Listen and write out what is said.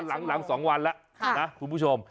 หลัง๒วันแล้วนะคุณผู้ชม